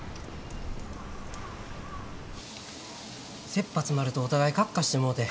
せっぱ詰まるとお互いカッカしてもうて。